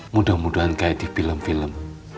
mudah mudahan kayak di film film